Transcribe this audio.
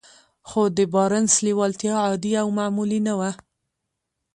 خو د بارنس لېوالتیا عادي او معمولي نه وه.